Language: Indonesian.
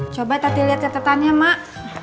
coba tadi liat ketetannya mak